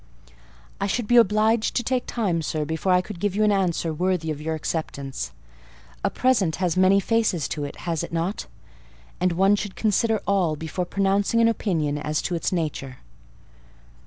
"I should be obliged to take time, sir, before I could give you an answer worthy of your acceptance: a present has many faces to it, has it not? and one should consider all, before pronouncing an opinion as to its nature."